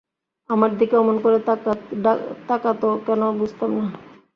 আমার দিকে অমন করে তাকাত কেন, বুঝতাম না।